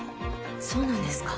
そうなんですか？